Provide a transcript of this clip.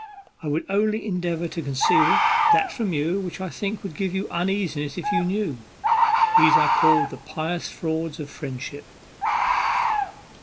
I would only endeavour to conceal that from you which I think would give you uneasiness if you knew. These are called the pious frauds of friendship."